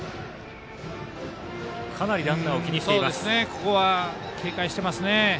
ここは警戒してますね。